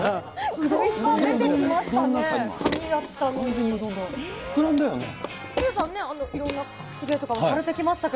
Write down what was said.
うどんが出てきましたね。